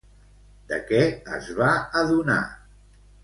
De què es va adonar?